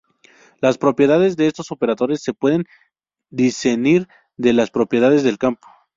Las propiedades de estos operadores se pueden discernir de las propiedades del campo.